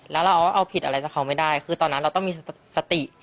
แล้วเราก็เอาผิดอะไรจากเขาไม่ได้คือตอนนั้นเราต้องมีสติ